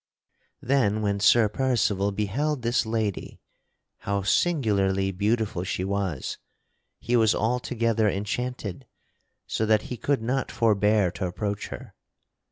Then when Sir Percival beheld this lady how singularly beautiful she was he was altogether enchanted so that he could not forbear to approach her.